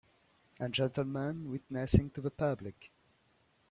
A gentleman witnessing to the public.